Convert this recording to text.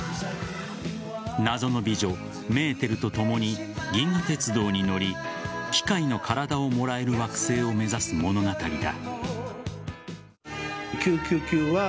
謎の美女・メーテルと共に銀河鉄道に乗り機械の体をもらえる惑星を目指す物語だ。